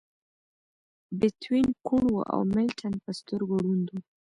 بیتووین کوڼ و او ملټن په سترګو ړوند و